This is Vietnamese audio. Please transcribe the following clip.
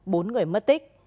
bốn người mất tích